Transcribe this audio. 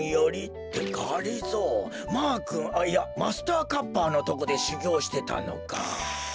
ってがりぞーマーくんいやマスターカッパーのとこでしゅぎょうしてたのか。